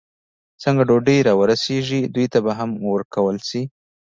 څنګه ډوډۍ را ورسېږي، دوی ته به هم ورکول شي.